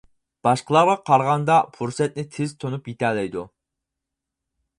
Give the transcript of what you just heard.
باشقىلارغا قارىغاندا پۇرسەتنى تېز تونۇپ يېتەلەيدۇ.